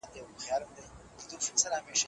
دستي مي تلیفون وکړ.